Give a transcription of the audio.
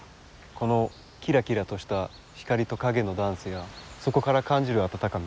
このきらきらとした光と影のダンスやそこから感じる温かみ。